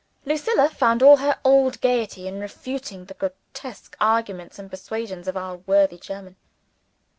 Lucilla found all her old gaiety, in refuting the grotesque arguments and persuasions of our worthy German.